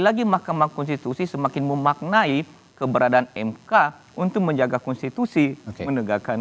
lagi mahkamah konstitusi semakin memaknai keberadaan mk untuk menjaga konstitusi menegakkan